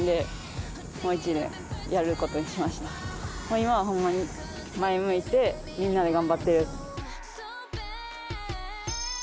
今はほんまに前向いてみんなで頑張ってる。